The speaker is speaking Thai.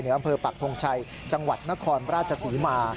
อำเภอปักทงชัยจังหวัดนครราชศรีมา